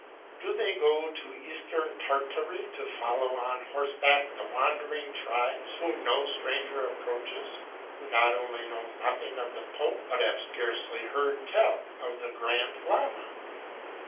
Do they go to Eastern Tartary to follow on horseback the wandering tribes, whom no stranger approaches, who not only know nothing of the pope, but have scarcely heard tell of the Grand Lama!